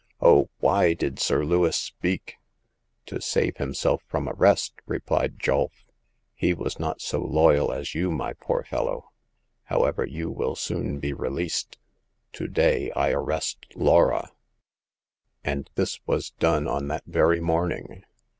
Oh, why did Sir Lewis speak !*'" To save himself from arrest," replied Julf. He was not so loyal as you, my poor fellow. However, you will soon be released. To day, I arrest Laura." And this was done on that very morning.